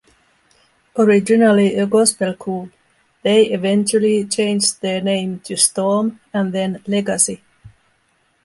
Originally a gospel group they eventually changed their name to Storm and then Legacy.